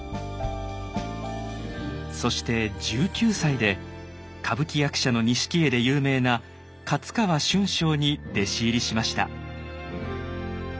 そして１９歳で歌舞伎役者の錦絵で有名な勝川春章に弟子入りしました。